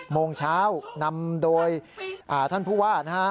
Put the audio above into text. โมงเช้านำโดยท่านผู้ว่านะฮะ